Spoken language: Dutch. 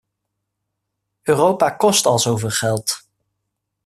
Europa kost al zo veel geld.